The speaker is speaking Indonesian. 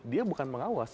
dia bukan mengawas